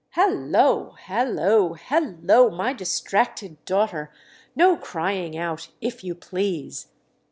"Hallo, hallo, hallo, my distracted daughter—no 'crying out,' if you please!"